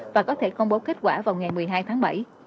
và có thể công bố kết quả vào ngày một mươi hai tháng bảy